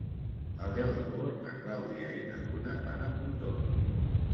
El deu d'agost na Clàudia i na Duna van a Pontons.